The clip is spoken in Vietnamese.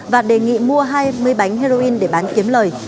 và đề nghị mua hai mươi bánh heroin để bán kiếm lời